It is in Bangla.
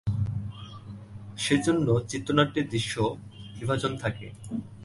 সে জন্য চিত্রনাট্যে দৃশ্য বিভাজন থাকে।